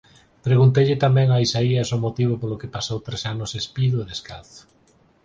Pregunteille tamén a Isaías o motivo polo que pasou tres anos espido e descalzo.